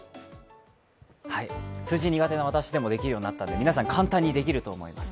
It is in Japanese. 数字苦手な私でもできるようになったんで皆さん簡単にできると思います。